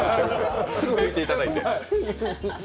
すぐ拭いていただいて。